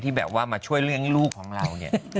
แบบว่ามาช่วยเรื่องลูกของเราเนี่ย